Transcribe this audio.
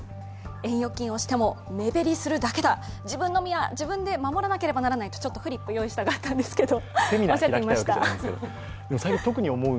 円預金をしても目減りするだけだ、自分の身は自分で守らなきゃならないとちょっとフリップ用意したかったんですけど。